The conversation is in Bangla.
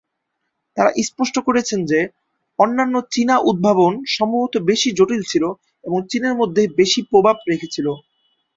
তারা স্পষ্ট করেছেন যে, অন্যান্য চীনা উদ্ভাবন সম্ভবত বেশি জটিল ছিল এবং চীনের মধ্যে বেশি প্রভাব রেখেছিল।